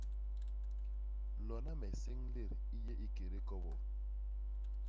Lona me séñlét i yé ikédé kobot!